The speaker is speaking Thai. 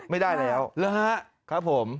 ไม่ได้แล้วครับผมแล้วฮะครับผม